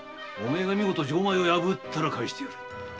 錠を破ったら返してやる。